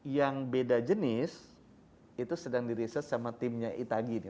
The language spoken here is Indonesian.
yang beda jenis itu sedang di research sama timnya itagi nih